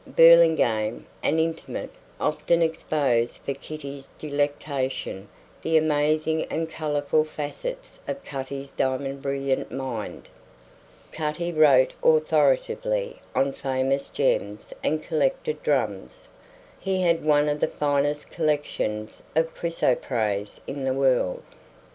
Burlingame, an intimate, often exposed for Kitty's delectation the amazing and colourful facets of Cutty's diamond brilliant mind. Cutty wrote authoritatively on famous gems and collected drums. He had one of the finest collections of chrysoprase in the world.